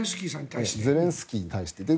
ゼレンスキーさんに対してね。